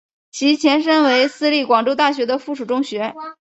其前身为私立广州大学的附属中学。